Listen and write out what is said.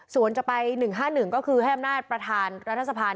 ส่วนจะไป๑๕๑ก็คือให้อำนาจประธานรัฐสภา